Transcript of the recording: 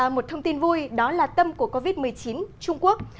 một thông tin vui đó là tâm của covid một mươi chín trung quốc